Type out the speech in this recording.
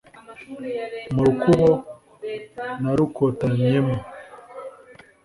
Mu rukubo narukotanyemo